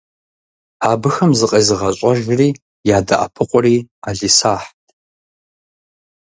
Абыхэм закъезыгъэщӏэжри ядэӏэпыкъури ӏэлисахьт.